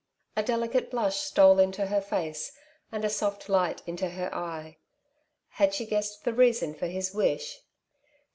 ^' A delicate blush stole into her face, and a soft light into her eye. Had she guessed the reason for his wish